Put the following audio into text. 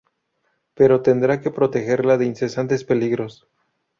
Pero tendrá que protegerla de incesantes peligros.